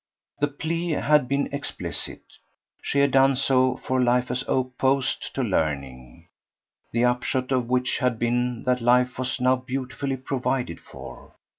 The plea had been explicit she had done so for life as opposed to learning; the upshot of which had been that life was now beautifully provided for.